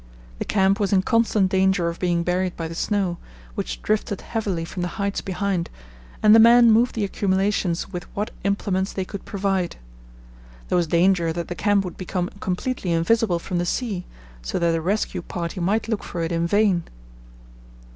The camp was in constant danger of being buried by the snow, which drifted heavily from the heights behind, and the men moved the accumulations with what implements they could provide. There was danger that the camp would become completely invisible from the sea, so that a rescue party might look for it in vain.